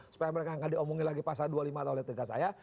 supaya mereka nggak diomongin lagi pasal dua puluh lima atau oleh tk saya